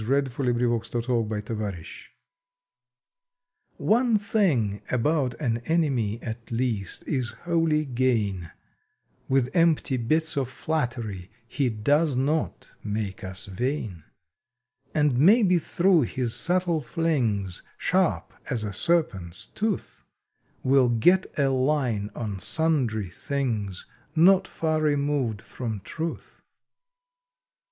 September Twenty third AS TO ENEMIES thing about an Enemy At least is wholly gain With empty bits of flattery He does not make us vain; And maybe thro his subtle flings Sharp as a serpent s tooth We ll get a line on sundry things Not far removed from truth.